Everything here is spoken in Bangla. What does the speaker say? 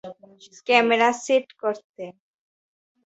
ক্যামেরা সেট করতে?